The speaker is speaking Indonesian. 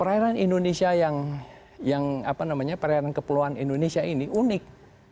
perairan indonesia yang apa namanya perairan kepulauan indonesia ini unik